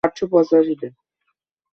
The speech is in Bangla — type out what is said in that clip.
ওকে ঠিক আছে।